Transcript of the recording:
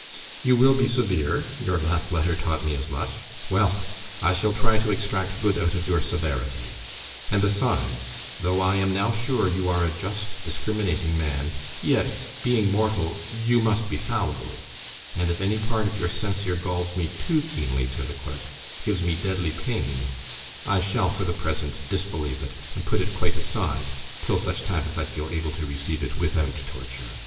"You will be severe; your last letter taught me as much. Well! I shall try to extract good out of your severity: and besides, though I am now sure you are a just, discriminating man, yet, being mortal, you must be fallible; and if any part of your censure galls me too keenly to the quick gives me deadly pain I shall for the present disbelieve it, and put it quite aside, till such time as I feel able to receive it without torture.